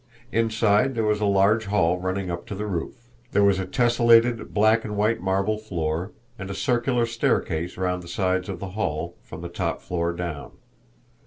Inside there was a large hall running up to the roof; there was a tessellated black and white marble floor, and a circular staircase round the sides of the hall, from the top floor down.